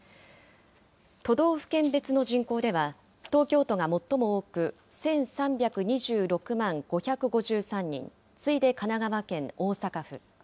都道府県別の人口では、東京都が最も多く、１３２６万５５３人、次いで神奈川県、大阪府。